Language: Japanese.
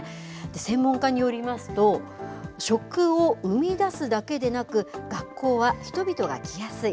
専門家によりますと、食を生み出すだけでなく、学校は人々が来やすい。